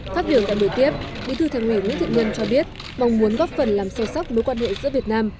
phát biểu tại buổi tiếp bí thư thành ủy nguyễn thiện nhân cho biết mong muốn góp phần làm sâu sắc mối quan hệ giữa việt nam